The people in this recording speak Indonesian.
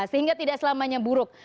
sehingga tidak selamanya buruk